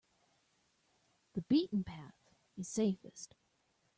The beaten path is safest.